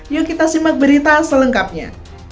yuk kita simak berita selengkapnya